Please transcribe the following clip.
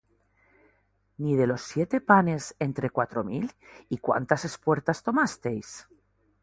¿Ni de los siete panes entre cuatro mil, y cuántas espuertas tomasteis?